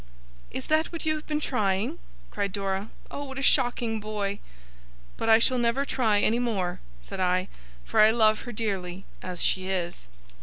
'Is that what you have been trying?' cried Dora. 'Oh what a shocking boy!' 'But I shall never try any more,' said I. 'For I love her dearly as she is.